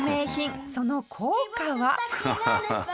その効果は？ああ。